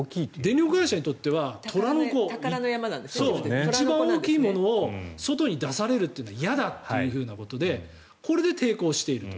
電力会社にとっては虎の子一番大きいものを外に出されるのは嫌だということでこれで抵抗していると。